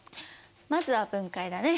まずは分解だね。